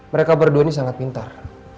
mereka berdua ini sangat pintar